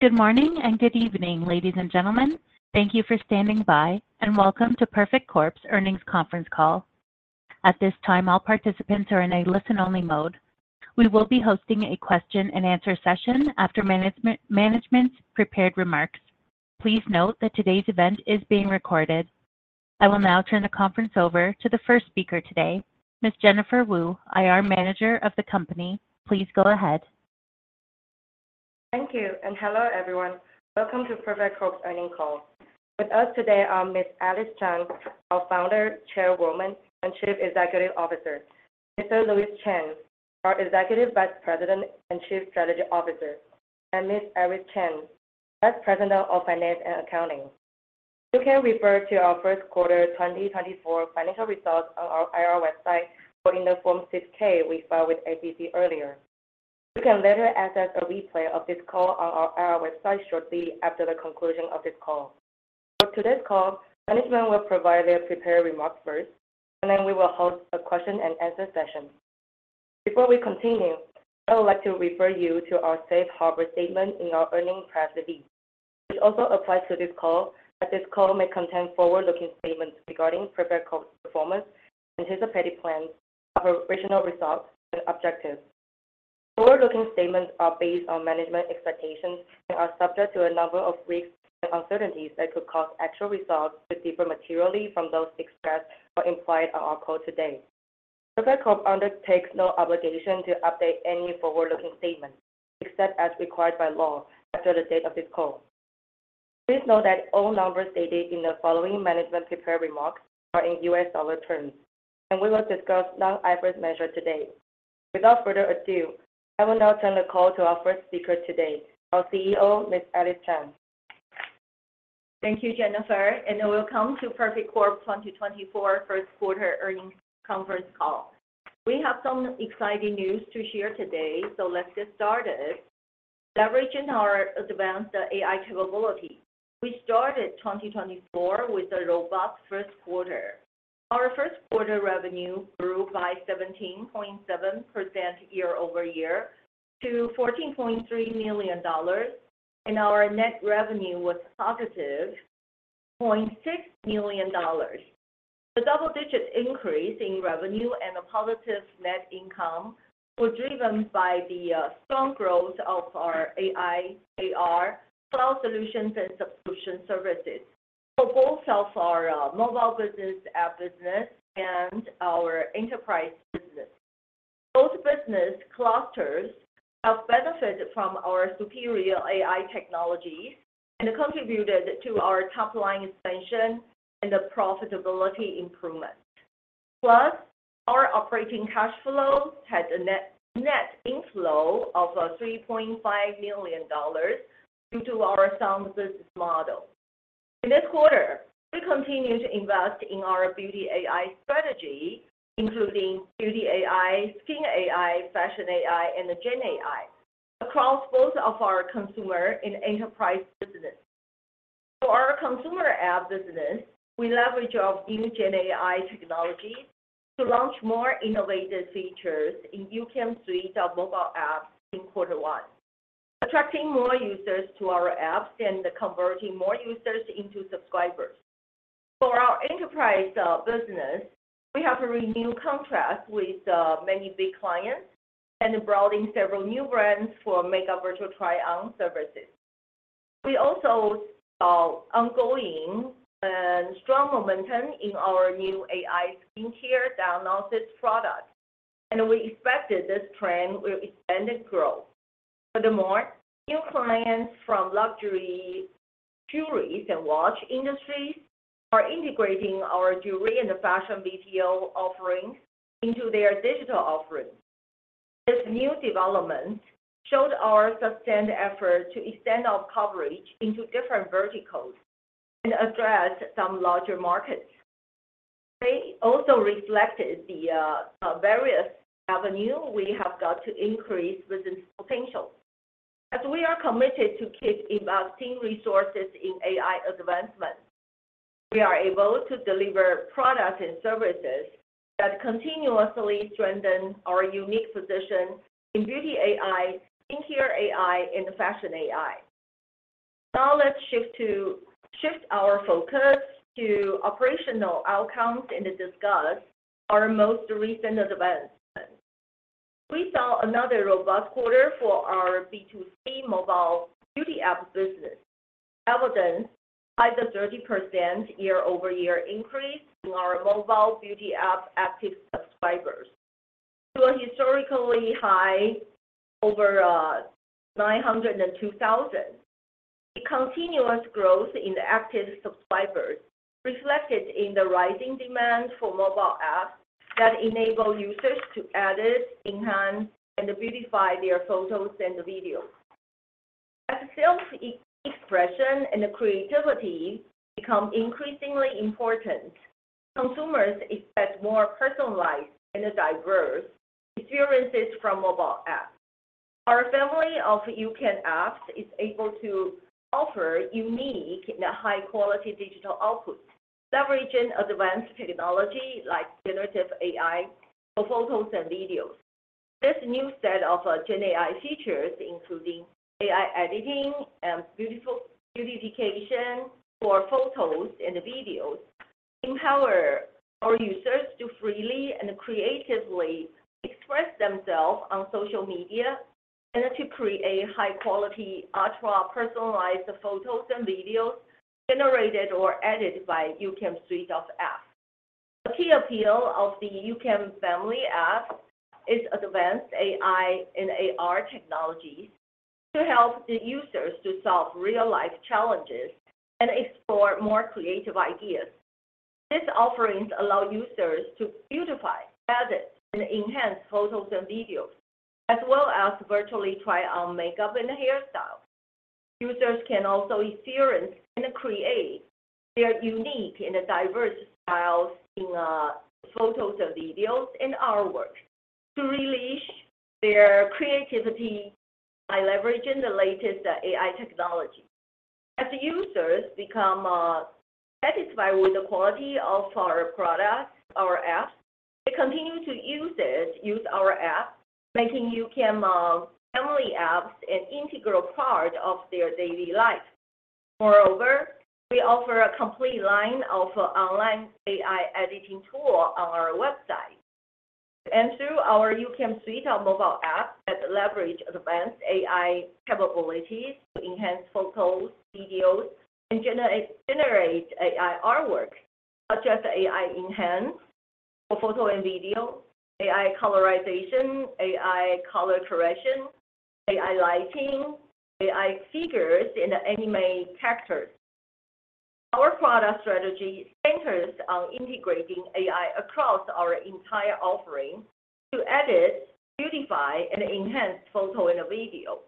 Good morning, and good evening, ladies and gentlemen. Thank you for standing by, and welcome to Perfect Corp's earnings conference call. At this time, all participants are in a listen-only mode. We will be hosting a question-and-answer session after management, management's prepared remarks. Please note that today's event is being recorded. I will now turn the conference over to the first speaker today, Ms. Jennifer Wu, IR Manager of the company. Please go ahead. Thank you, and hello, everyone. Welcome to Perfect Corp's earnings call. With us today are Ms. Alice Chang, our Founder, Chairwoman, and Chief Executive Officer, Mr. Louis Chen, our Executive Vice President and Chief Strategy Officer, and Ms. Iris Chen, Vice President of Finance and Accounting. You can refer to our first quarter 2024 financial results on our IR website or in the Form 6-K we filed with the SEC earlier. You can later access a replay of this call on our IR website shortly after the conclusion of this call. For today's call, management will provide their prepared remarks first, and then we will host a question-and-answer session. Before we continue, I would like to refer you to our safe harbor statement in our earnings press release. We also apply to this call that this call may contain forward-looking statements regarding Perfect Corp's performance, anticipated plans, operational results, and objectives. Forward-looking statements are based on management expectations and are subject to a number of risks and uncertainties that could cause actual results to differ materially from those expressed or implied on our call today. Perfect Corp undertakes no obligation to update any forward-looking statements, except as required by law after the date of this call. Please note that all numbers stated in the following management prepared remarks are in U.S. dollar terms, and we will discuss non-IFRS measure today. Without further ado, I will now turn the call to our first speaker today, our CEO, Ms. Alice Chang. Thank you, Jennifer, and welcome to Perfect Corp 2024 first quarter earnings conference call. We have some exciting news to share today, so let's get started. Leveraging our advanced AI capability, we started 2024 with a robust first quarter. Our first quarter revenue grew by 17.7% year-over-year to $14.3 million, and our net revenue was positive $0.6 million. The double-digit increase in revenue and a positive net income were driven by the strong growth of our AI, AR, cloud solutions, and solution services for both of our mobile business, app business, and our enterprise business. Both business clusters have benefited from our superior AI technologies and contributed to our top-line expansion and the profitability improvement. Plus, our operating cash flow had a net, net inflow of $3.5 million due to our sound business model. In this quarter, we continue to invest in our Beauty AI strategy, including Beauty AI, Skin AI, Fashion AI, and the Gen AI across both of our consumer and enterprise business. For our consumer app business, we leverage our new Gen AI technology to launch more innovative features in YouCam suite of mobile apps in quarter one, attracting more users to our apps and converting more users into subscribers. For our enterprise business, we have a renewed contract with many big clients and brought in several new brands for makeup virtual try-on services. We also saw ongoing strong momentum in our new AI skincare diagnosis product, and we expected this trend will extend growth. Furthermore, new clients from luxury, jewelry, and watch industries are integrating our jewelry and fashion VTO offerings into their digital offerings. This new development showed our sustained effort to extend our coverage into different verticals and address some larger markets. They also reflected the various avenue we have got to increase business potential. As we are committed to keep investing resources in AI advancement, we are able to deliver products and services that continuously strengthen our unique position in Beauty AI, Skincare AI, and Fashion AI. Now, let's shift our focus to operational outcomes and discuss our most recent development. We saw another robust quarter for our B2C mobile beauty app business, evident by the 30% year-over-year increase in our mobile beauty app active subscribers to a historically high over 902,000. The continuous growth in the active subscribers reflected in the rising demand for mobile apps that enable users to edit, enhance, and beautify their photos and videos. As self-expression and creativity become increasingly important, consumers expect more personalized and diverse experiences from mobile apps. Our family of YouCam apps is able to offer unique and high-quality digital outputs, leveraging advanced technology like generative AI for photos and videos. This new set of Gen AI features, including AI editing and beautiful beautification for photos and videos, empower our users to freely and creatively express themselves on social media, and to create high-quality, ultra-personalized photos and videos generated or edited by YouCam Suite of app. The key appeal of the YouCam family app is advanced AI and AR technologies to help the users to solve real-life challenges and explore more creative ideas. These offerings allow users to beautify, edit, and enhance photos and videos, as well as virtually try on makeup and hairstyle. Users can also experience and create their unique and diverse styles in photos and videos and artwork to unleash their creativity by leveraging the latest AI technology. As the users become satisfied with the quality of our products, our apps, they continue to use it, use our app, making YouCam family apps an integral part of their daily life. Moreover, we offer a complete line of online AI editing tool on our website, and through our YouCam Suite of mobile app that leverage advanced AI capabilities to enhance photos, videos, and generate AI artwork, such as AI Enhance for photo and video, AI Colorization, AI Color Correction, AI Lighting, AI figures, and anime characters. Our product strategy centers on integrating AI across our entire offering to edit, beautify, and enhance photo and video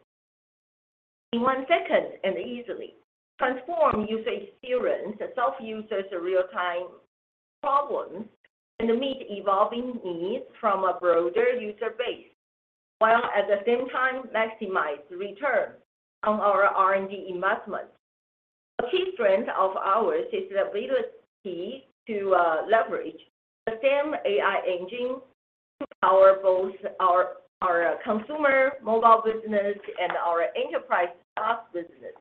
in one second, and easily transform user experience to solve users' real-time problems, and meet evolving needs from a broader user base, while at the same time maximize return on our R&D investment. A key strength of ours is the ability to leverage the same AI engine to power both our consumer mobile business and our enterprise SaaS business.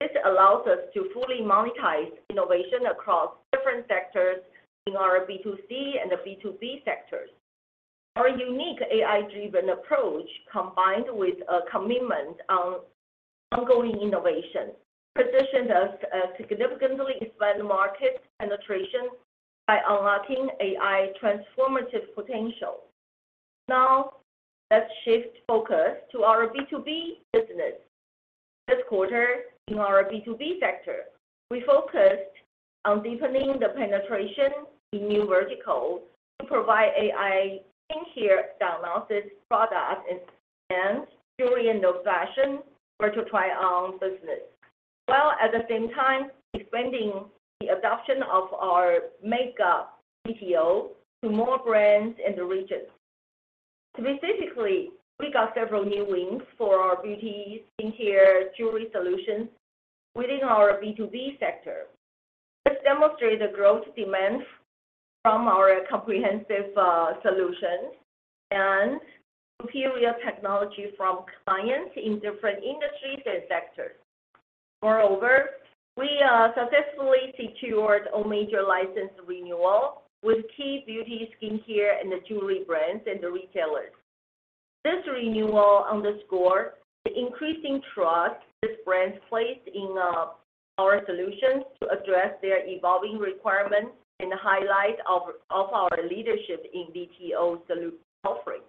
This allows us to fully monetize innovation across different sectors in our B2C and the B2B sectors. Our unique AI-driven approach, combined with a commitment on ongoing innovation, positions us to significantly expand market penetration by unlocking AI transformative potential. Now, let's shift focus to our B2B business. This quarter, in our B2B sector, we focused on deepening the penetration in new verticals to provide AI skincare diagnosis product and jewelry and fashion virtual try-on business, while at the same time expanding the adoption of our makeup VTO to more brands in the region. Specifically, we got several new wins for our beauty, skincare, jewelry solutions within our B2B sector. This demonstrate the growth demand from our comprehensive solution and superior technology from clients in different industries and sectors. Moreover, we successfully secured a major license renewal with key beauty, skincare, and the jewelry brands and the retailers. This renewal underscore the increasing trust these brands place in our solutions to address their evolving requirements and highlight of our leadership in VTO solution offering.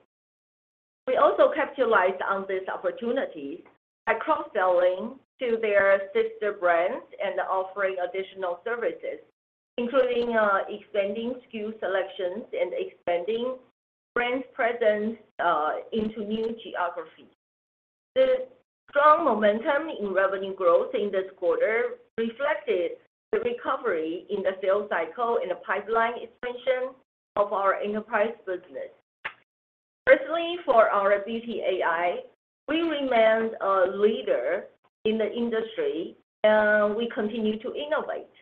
We also capitalized on this opportunity by cross-selling to their sister brands and offering additional services, including expanding SKU selections and expanding brands presence into new geographies. The strong momentum in revenue growth in this quarter reflected the recovery in the sales cycle and the pipeline expansion of our enterprise business. Firstly, for our Beauty AI, we remained a leader in the industry, and we continue to innovate.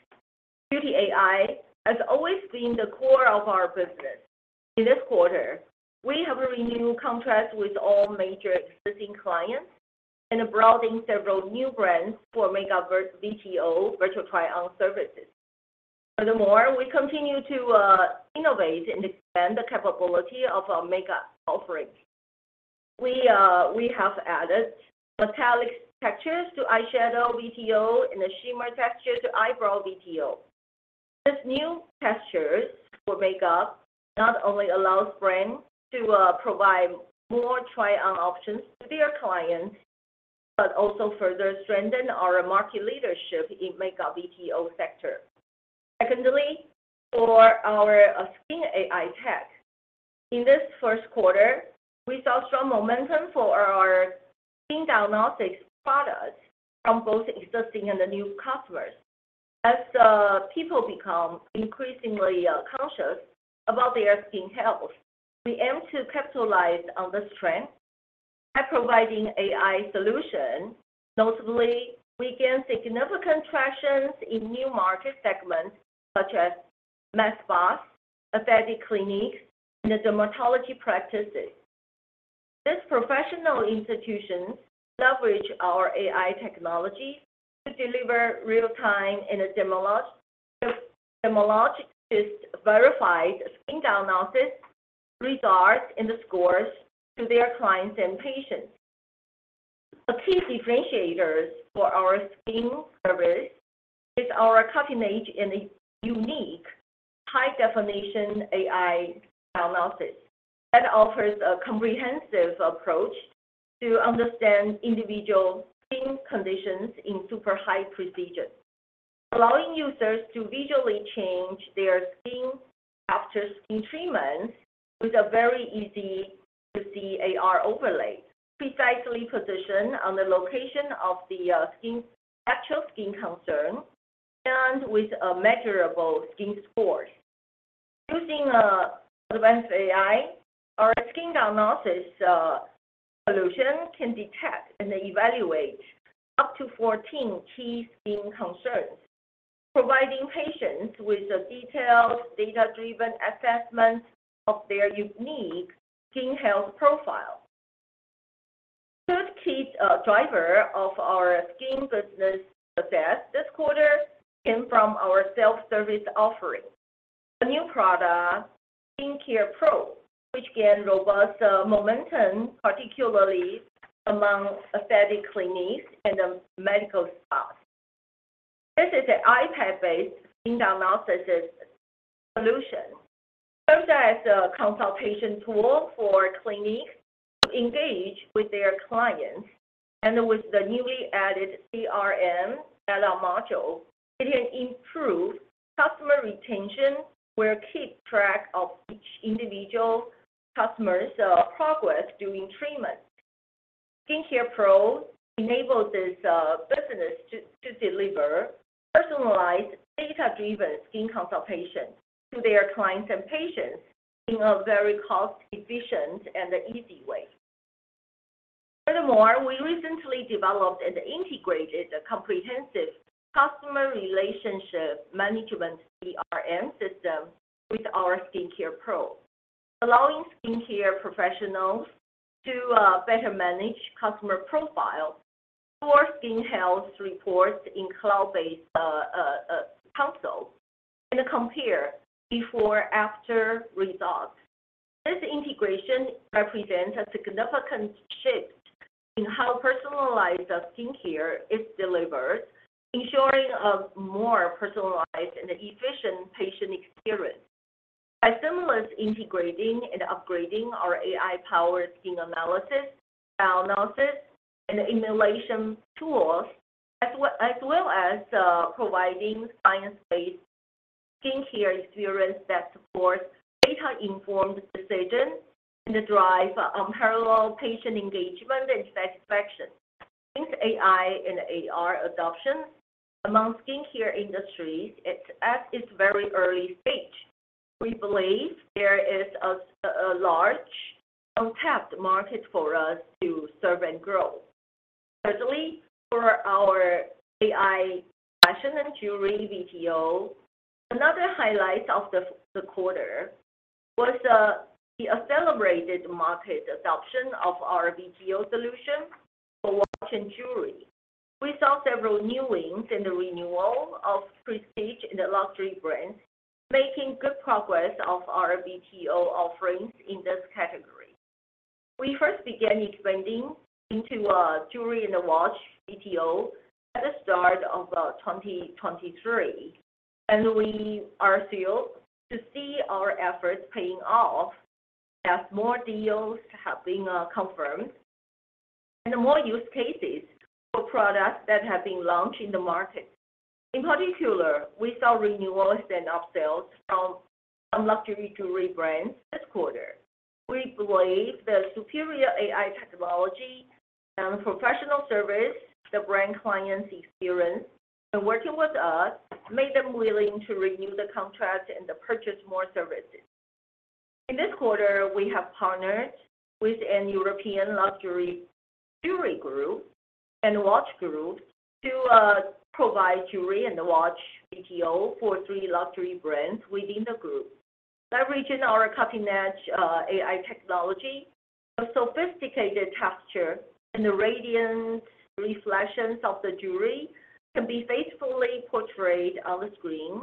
Beauty AI has always been the core of our business. In this quarter, we have renewed contracts with all major existing clients and brought in several new brands for makeup VTO, Virtual Try-On Services. Furthermore, we continue to innovate and expand the capability of our makeup offering. We have added metallic textures to eyeshadow VTO and a shimmer texture to eyebrow VTO. These new textures for makeup not only allows brands to provide more try-on options to their clients, but also further strengthen our market leadership in makeup VTO sector. Secondly, for our Skin AI tech, in this first quarter, we saw strong momentum for our skin diagnostics products from both existing and the new customers. As people become increasingly conscious about their skin health, we aim to capitalize on this trend. By providing AI solution, notably, we gain significant traction in new market segments such as med spas, aesthetic clinics, and the dermatology practices. These professional institutions leverage our AI technology to deliver real-time and a dermatologist verified skin diagnosis, results, and the scores to their clients and patients. The key differentiators for our skin service is our cutting-edge and unique high-definition AI diagnosis that offers a comprehensive approach to understand individual skin conditions in super high precision, allowing users to visually change their skin after skin treatment with a very easy-to-see AR overlay, precisely positioned on the location of the actual skin concern, and with a measurable skin score. Using advanced AI, our skin diagnosis solution can detect and evaluate up to 14 key skin concerns, providing patients with a detailed, data-driven assessment of their unique skin health profile. Third key driver of our skin business success this quarter came from our self-service offering. A new product, Skincare Pro, which gain robust momentum, particularly among aesthetic clinics and medical spas. This is an iPad-based skin diagnosis solution, serves as a consultation tool for clinics to engage with their clients, and with the newly added CRM module, it can improve customer retention, where keep track of each individual customer's progress during treatment. Skincare Pro enables this business to deliver personalized, data-driven skin consultation to their clients and patients in a very cost-efficient and easy way. Furthermore, we recently developed and integrated a comprehensive customer relationship management, CRM, system with our Skincare Pro, allowing skincare professionals to better manage customer profiles for skin health reports in cloud-based console, and compare before or after results. This integration represents a significant shift in how personalized skincare is delivered, ensuring a more personalized and efficient patient experience. By seamlessly integrating and upgrading our AI-powered skin analysis, diagnosis, and emulation tools, as well as providing science-based skincare experience that supports data-informed decisions and drive parallel patient engagement and satisfaction. Since AI and AR adoption among skincare industries, it's at its very early stage. We believe there is a large untapped market for us to serve and grow. Thirdly, for our AI fashion and jewelry VTO, another highlight of the quarter was the accelerated market adoption of our VTO solution for watch and jewelry. We saw several new wins and the renewal of prestige and the luxury brands, making good progress of our VTO offerings in this category. We first began expanding into jewelry and watch VTO at the start of 2023, and we are thrilled to see our efforts paying off as more deals have been confirmed and more use cases for products that have been launched in the market. In particular, we saw renewals and upsells from some luxury jewelry brands this quarter. We believe the superior AI technology and professional service, the brand clients' experience in working with us, made them willing to renew the contract and to purchase more services. In this quarter, we have partnered with an European luxury jewelry group and watch group to provide jewelry and the watch VTO for three luxury brands within the group. Leveraging our cutting-edge AI technology, the sophisticated texture and the radiant reflections of the jewelry can be faithfully portrayed on the screen,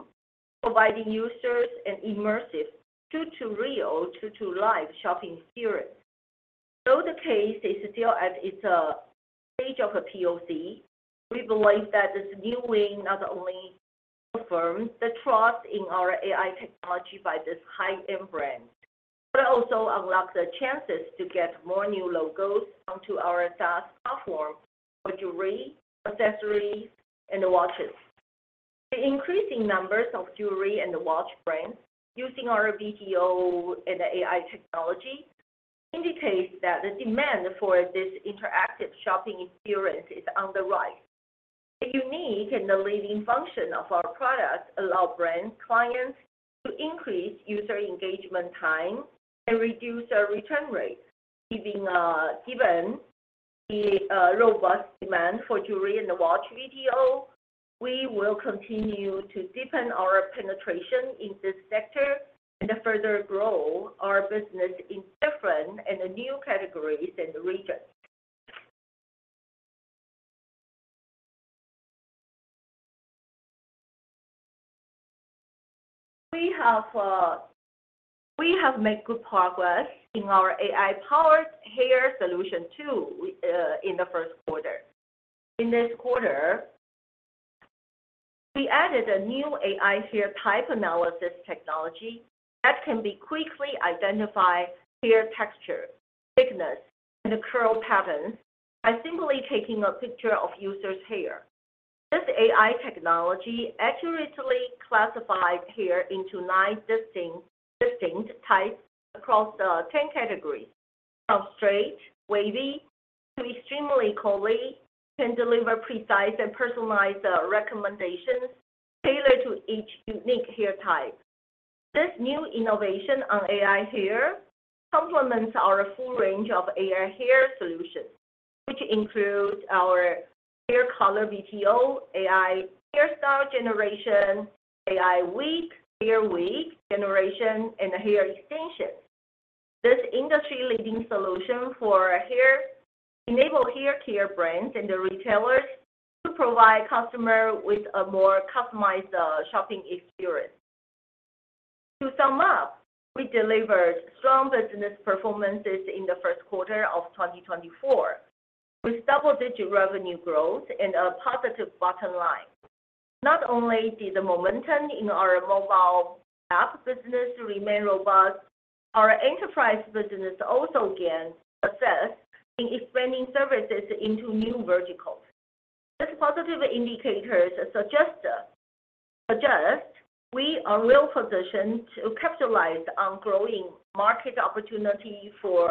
providing users an immersive true-to-real, true-to-life shopping experience. Though the case is still at its stage of a POC, we believe that this new win not only confirms the trust in our AI technology by this high-end brand, but it also unlocks the chances to get more new logos onto our SaaS platform for jewelry, accessories, and watches. The increasing numbers of jewelry and watch brands using our VTO and AI technology indicates that the demand for this interactive shopping experience is on the rise. The unique and the leading function of our product allow brand clients to increase user engagement time and reduce their return rate. Given the robust demand for jewelry and watch VTO, we will continue to deepen our penetration in this sector and further grow our business in different and new categories and regions. We have made good progress in our AI-powered hair solution, too, in the first quarter. In this quarter, we added a new AI hair type analysis technology that can be quickly identify hair texture, thickness, and curl patterns by simply taking a picture of user's hair. This AI technology accurately classifies hair into nine distinct types across 10 categories, from straight, wavy, to extremely curly, and deliver precise and personalized recommendations tailored to each unique hair type. This new innovation on AI hair complements our full range of AI hair solutions, which include our hair color VTO, AI hairstyle generation, AI wig, hair wig generation, and hair extensions. This industry-leading solution for hair enable hair care brands and the retailers to provide customer with a more customized, shopping experience. To sum up, we delivered strong business performances in the first quarter of 2024, with double-digit revenue growth and a positive bottom line. Not only did the momentum in our mobile app business remain robust, our enterprise business also gained success in expanding services into new verticals. These positive indicators suggest we are well-positioned to capitalize on growing market opportunity for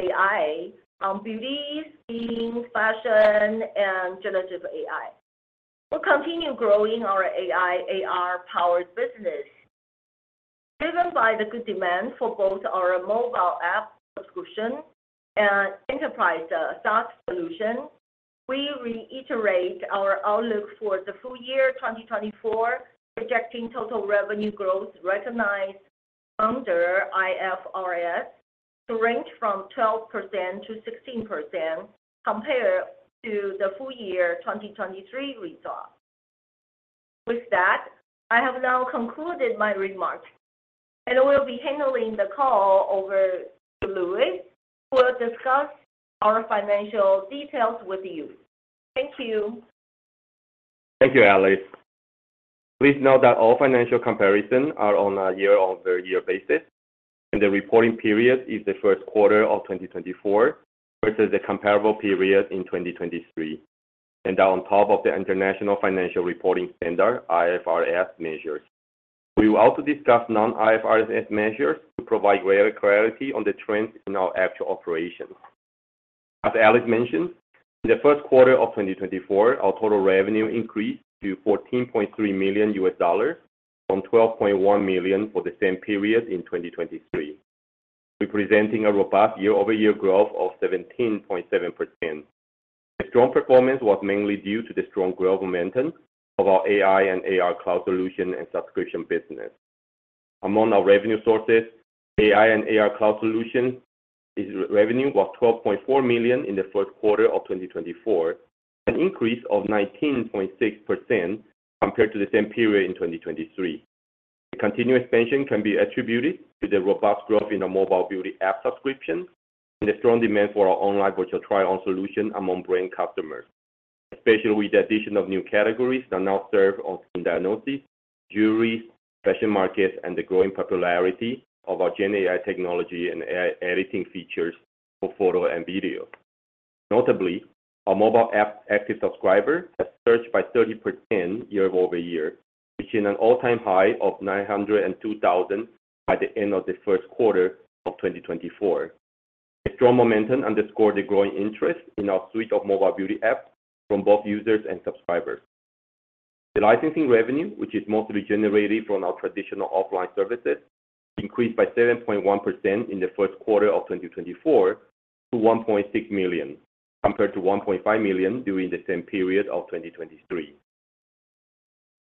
AI on beauty, skin, fashion, and generative AI. We'll continue growing our AI, AR-powered business. Driven by the good demand for both our mobile app subscription and enterprise, SaaS solution, we reiterate our outlook for the full year 2024, projecting total revenue growth recognized under IFRS to range from 12%-16% compared to the full year 2023 results. With that, I have now concluded my remarks and will be handling the call over to Louis, who will discuss our financial details with you. Thank you. Thank you, Alice. Please note that all financial comparisons are on a year-over-year basis, and the reporting period is the first quarter of 2024 versus the comparable period in 2023, and are on top of the International Financial Reporting Standards, IFRS, measures. We will also discuss non-IFRS measures to provide greater clarity on the trends in our actual operations. As Alice mentioned, in the first quarter of 2024, our total revenue increased to $14.3 million from $12.1 million for the same period in 2023, representing a robust year-over-year growth of 17.7%. The strong performance was mainly due to the strong growth momentum of our AI and AR cloud solution and subscription business. Among our revenue sources, AI and AR cloud solution revenue was $12.4 million in the first quarter of 2024, an increase of 19.6% compared to the same period in 2023. The continued expansion can be attributed to the robust growth in our mobile beauty app subscription and the strong demand for our online virtual try-on solution among brand customers, especially with the addition of new categories that now serve on skin diagnosis, jewelry, fashion markets, and the growing popularity of our Gen AI technology and AI editing features for photo and video. Notably, our mobile app active subscriber has surged by 30% year-over-year, reaching an all-time high of 902,000 by the end of the first quarter of 2024. The strong momentum underscores the growing interest in our suite of mobile beauty apps from both users and subscribers. The licensing revenue, which is mostly generated from our traditional offline services, increased by 7.1% in the first quarter of 2024 to $1.6 million, compared to $1.5 million during the same period of 2023.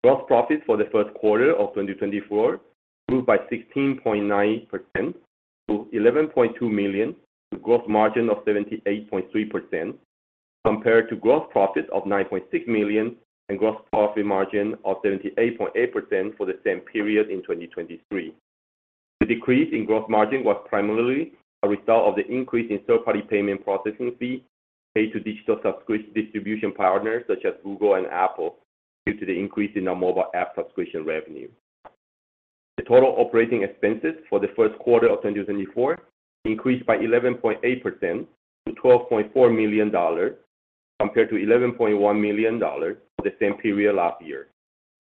Gross profit for the first quarter of 2024 grew by 16.9% to $11.2 million, with gross margin of 78.3%, compared to gross profit of $9.6 million and gross profit margin of 78.8% for the same period in 2023. The decrease in gross margin was primarily a result of the increase in third-party payment processing fee paid to digital subscription distribution partners, such as Google and Apple, due to the increase in our mobile app subscription revenue. The total operating expenses for the first quarter of 2024 increased by 11.8% to $12.4 million, compared to $11.1 million for the same period last year.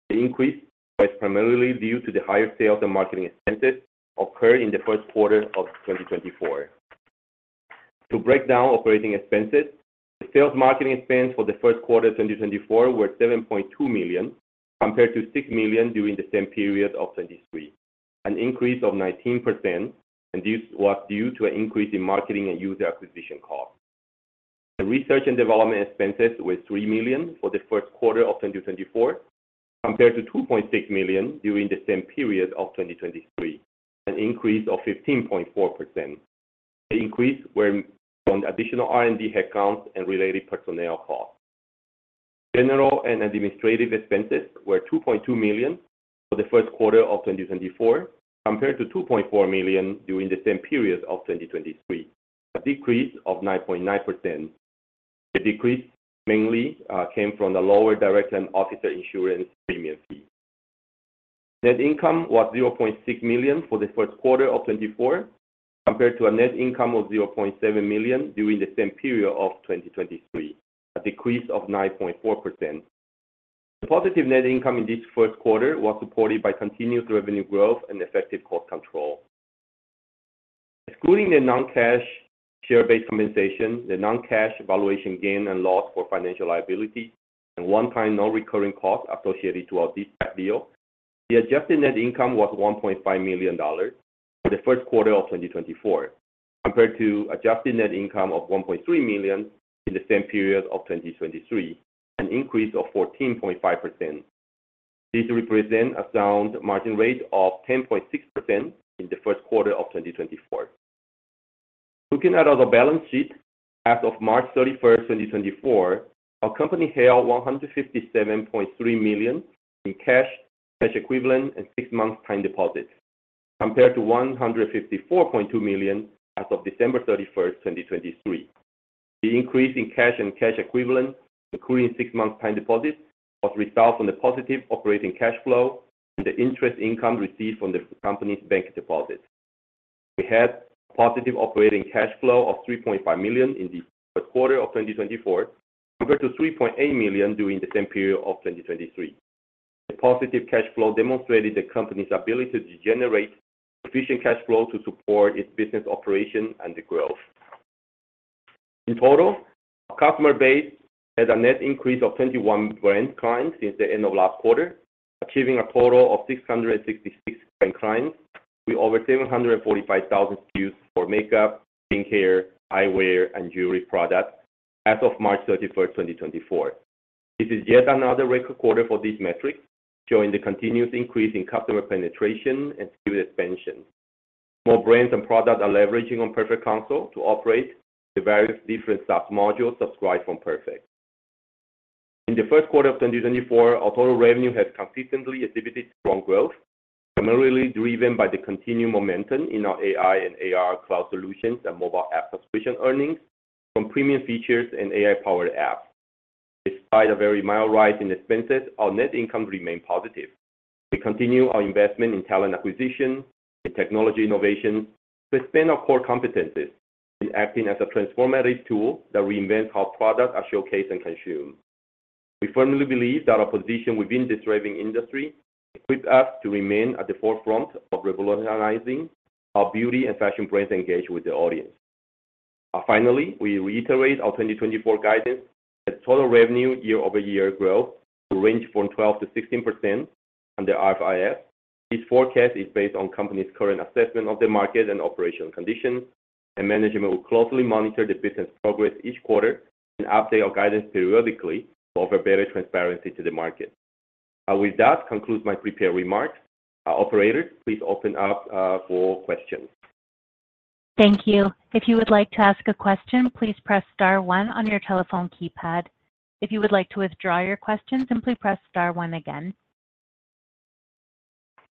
The increase was primarily due to the higher sales and marketing expenses occurred in the first quarter of 2024. To break down operating expenses, the sales marketing expense for the first quarter of 2024 were $7.2 million, compared to $6 million during the same period of 2023, an increase of 19%, and this was due to an increase in marketing and user acquisition costs. The research and development expenses were $3 million for the first quarter of 2024, compared to $2.6 million during the same period of 2023, an increase of 15.4%. The increase were from additional R&D headcount and related personnel costs. General and administrative expenses were $2.2 million for the first quarter of 2024, compared to $2.4 million during the same period of 2023, a decrease of 9.9%. The decrease mainly came from the lower directors and officers insurance premium fee. Net income was $0.6 million for the first quarter of 2024, compared to a net income of $0.7 million during the same period of 2023, a decrease of 9.4%. The positive net income in this first quarter was supported by continued revenue growth and effective cost control. Excluding the non-cash share-based compensation, the non-cash valuation gain and loss for financial liability, and one-time non-recurring costs associated to our deal, the adjusted net income was $1.5 million for the first quarter of 2024, compared to adjusted net income of $1.3 million in the same period of 2023, an increase of 14.5%. This represent a sound margin rate of 10.6% in the first quarter of 2024. Looking at our balance sheet, as of March 31, 2024, our company held $157.3 million in cash, cash equivalent, and 6-month time deposits, compared to $154.2 million as of December 31, 2023. The increase in cash and cash equivalent, including six-month time deposits, was result from the positive operating cash flow and the interest income received from the company's bank deposits. We had positive operating cash flow of $3.5 million in the first quarter of 2024, compared to $3.8 million during the same period of 2023. The positive cash flow demonstrated the company's ability to generate sufficient cash flow to support its business operation and the growth. In total, our customer base has a net increase of 21 brand clients since the end of last quarter, achieving a total of 666 brand clients, with over 745,000 SKUs for makeup, skincare, eyewear, and jewelry products as of March 31, 2024. This is yet another record quarter for this metric, showing the continuous increase in customer penetration and SKU expansion. More brands and products are leveraging on Perfect Console to operate the various different SaaS modules subscribed from Perfect. In the first quarter of 2024, our total revenue has consistently exhibited strong growth, primarily driven by the continued momentum in our AI and AR cloud solutions and mobile app subscription earnings from premium features and AI-powered apps. Despite a very mild rise in expenses, our net income remained positive. We continue our investment in talent acquisition and technology innovation to expand our core competencies in acting as a transformative tool that reinvents how products are showcased and consumed. We firmly believe that our position within this thriving industry equips us to remain at the forefront of revolutionizing how beauty and fashion brands engage with the audience. Finally, we reiterate our 2024 guidance that total revenue year-over-year growth will range from 12%-16% under IFRS. This forecast is based on company's current assessment of the market and operational conditions, and management will closely monitor the business progress each quarter and update our guidance periodically to offer better transparency to the market. With that concludes my prepared remarks. Operator, please open up for questions. Thank you. If you would like to ask a question, please press star one on your telephone keypad. If you would like to withdraw your question, simply press star one again.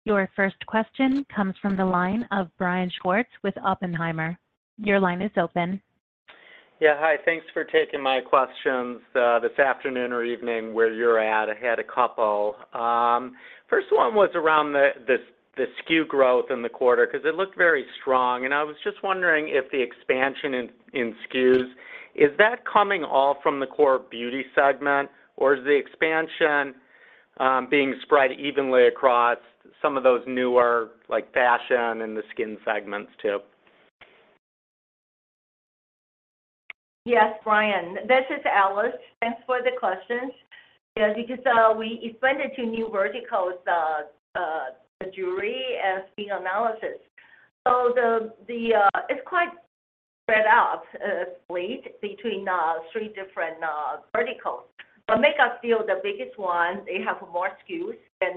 Your first question comes from the line of Brian Schwartz with Oppenheimer. Your line is open. Yeah. Hi, thanks for taking my questions this afternoon or evening, where you're at. I had a couple. First one was around the SKU growth in the quarter, because it looked very strong, and I was just wondering if the expansion in SKUs is that coming all from the core beauty segment, or is the expansion being spread evenly across some of those newer, like, fashion and the skin segments, too? Yes, Brian, this is Alice. Thanks for the questions. Yes, because we expanded to new verticals, the jewelry and skin analysis. So it's quite spread out, split between three different verticals. But makeup still the biggest one. They have more SKUs than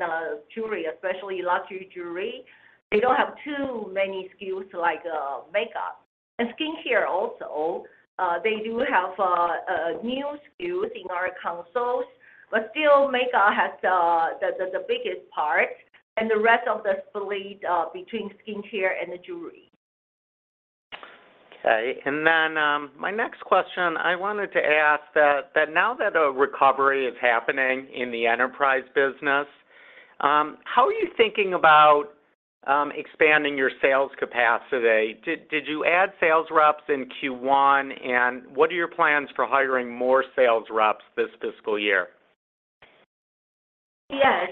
jewelry, especially luxury jewelry. They don't have too many SKUs like makeup. And skincare also, they do have new SKUs in our consoles, but still makeup has the biggest part, and the rest of the split between skincare and the jewelry. Okay. And then, my next question, I wanted to ask that now that a recovery is happening in the enterprise business, how are you thinking about expanding your sales capacity? Did you add sales reps in Q1, and what are your plans for hiring more sales reps this fiscal year? Yes.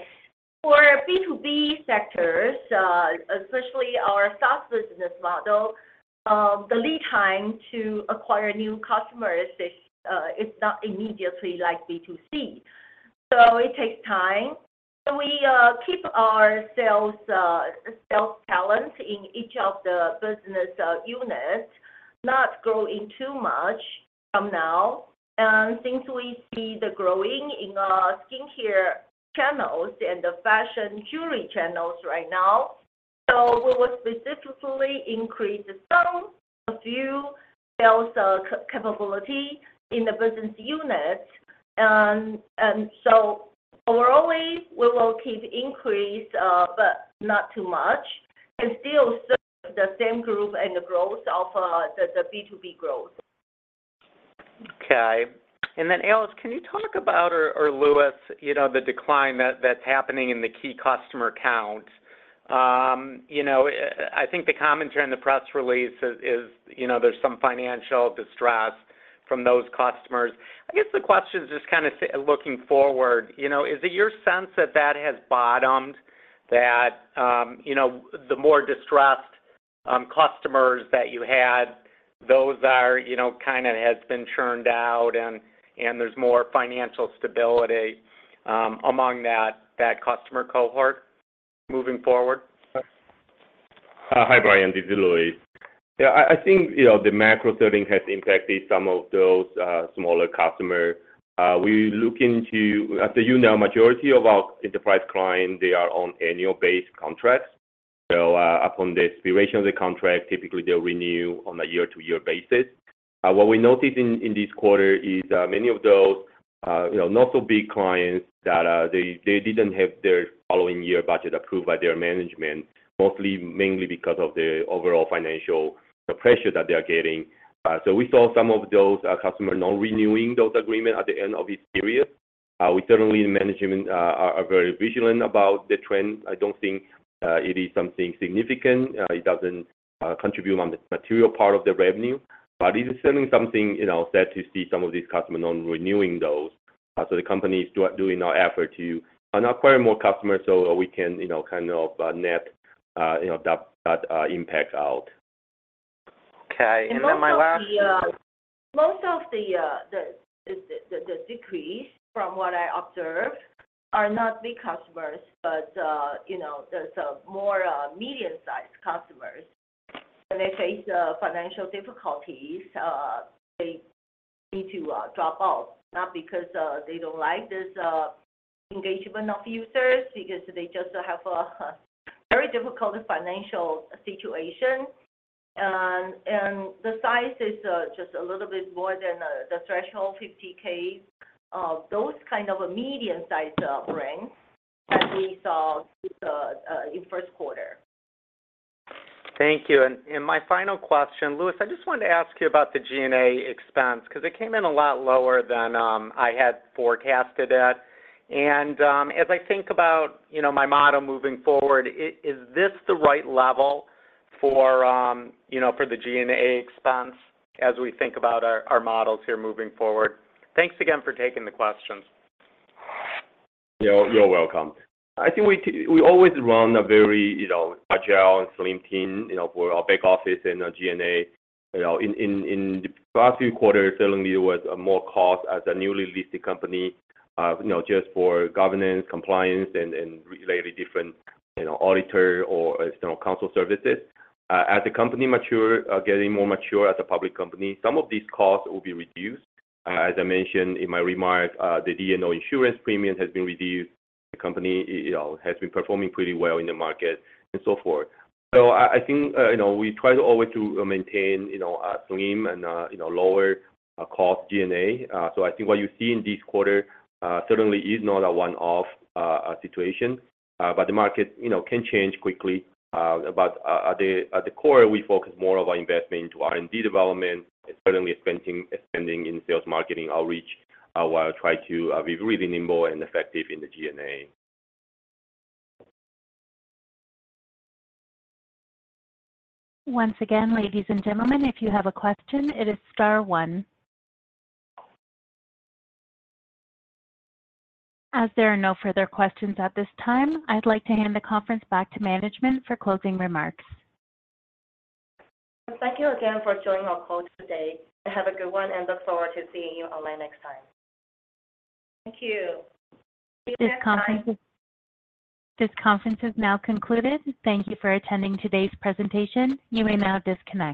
For B2B sectors, especially our SaaS business model, the lead time to acquire new customers is not immediately like B2C, so it takes time. So we keep our sales talent in each of the business units, not growing too much from now. And since we see the growing in our skincare channels and the fashion jewelry channels right now, so we would specifically increase some, a few sales capability in the business unit. And so overall, we will keep increase, but not too much and still serve the same group and the growth of the B2B growth. Okay. And then, Alice, can you talk about, or Louis, you know, the decline that's happening in the key customer count? You know, I think the commentary in the press release is, you know, there's some financial distress from those customers. I guess the question is just kinda say, looking forward, you know, is it your sense that that has bottomed? That, you know, the more distressed customers that you had, those are, you know, kinda has been churned out and there's more financial stability among that customer cohort moving forward? Hi, Brian. This is Louis. Yeah, I think, you know, the macro setting has impacted some of those smaller customer. We look into. As you know, majority of our enterprise clients, they are on annual-based contracts. So, upon the expiration of the contract, typically they'll renew on a year-to-year basis. What we noticed in this quarter is many of those, you know, not so big clients that they didn't have their following year budget approved by their management, mostly mainly because of the overall financial pressure that they are getting. So we saw some of those customer not renewing those agreement at the end of this period. We certainly in management are very vigilant about the trends. I don't think it is something significant. It doesn't contribute on the material part of the revenue, but it is certainly something, you know, sad to see some of these customer not renewing those. So the company is doing our effort to acquire more customers, so we can, you know, kind of net, you know, that, that impact out. Okay, and then my last- Most of the decrease from what I observed are not big customers, but you know, there's more medium-sized customers. When they face financial difficulties, they need to drop off, not because they don't like this engagement of users, because they just have a very difficult financial situation. And the size is just a little bit more than the threshold, $50K, those kind of a medium-sized range that we saw in first quarter. Thank you. And my final question, Louis, I just wanted to ask you about the G&A expense, 'cause it came in a lot lower than I had forecasted it. And as I think about, you know, my model moving forward, is this the right level for, you know, for the G&A expense as we think about our models here moving forward? Thanks again for taking the questions. You're welcome. I think we always run a very, you know, agile and slim team, you know, for our back office and our G&A. You know, in the past few quarters, certainly there was more cost as a newly listed company, you know, just for governance, compliance and related different, you know, auditor or external counsel services. As the company mature, getting more mature as a public company, some of these costs will be reduced. As I mentioned in my remarks, the D&O insurance premium has been reduced. The company, you know, has been performing pretty well in the market and so forth. So I think, you know, we try to always to maintain, you know, a slim and, you know, lower cost G&A. So I think what you see in this quarter, certainly is not a one-off situation, but the market, you know, can change quickly. But at the core, we focus more of our investment into R&D development and certainly expanding in sales, marketing, outreach, while try to be really nimble and effective in the G&A. Once again, ladies and gentlemen, if you have a question, it is star one. As there are no further questions at this time, I'd like to hand the conference back to management for closing remarks. Thank you again for joining our call today, and have a good one, and look forward to seeing you online next time. Thank you. This conference is now concluded. Thank you for attending today's presentation. You may now disconnect.